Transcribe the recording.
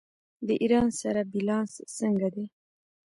د ایران سره بیلانس څنګه دی؟